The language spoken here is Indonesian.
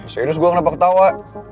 serius gue kenapa ketawa